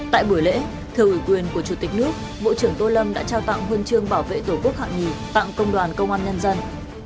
tại buổi lễ thưa ủy quyền của chủ tịch nước bộ trưởng tô lâm đã trao tặng huân chương bảo vệ tổ quốc hạng nhì tặng công đoàn công an nhân dân